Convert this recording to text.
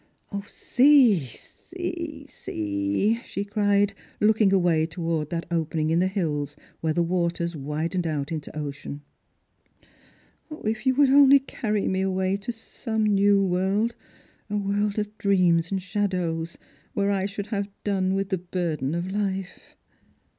" sea, sea, sea," she cried, looking away towards that open ing in the hills where the waters widened out into ocean, " if you would only carry me away to some new world, a world of dreams and shadows, where I should have done with the burden of hfe